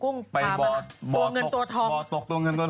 ก่อนในบ่าตกกุ้งจะไปบ่าตกตัวเงินตัวทอง